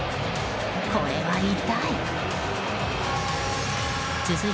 これは痛い。